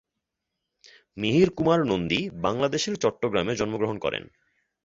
মিহির কুমার নন্দী বাংলাদেশের চট্টগ্রামে জন্মগ্রহণ করেন।